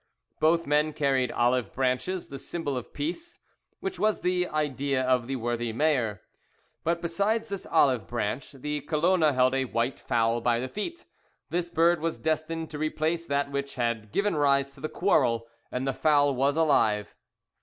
Both men carried olive branches, the symbol of peace, which was the idea of the worthy mayor. But besides this olive branch, the Colona held a white fowl by the feet; this bird was destined to replace that which had given rise to the quarrel, and the fowl was alive.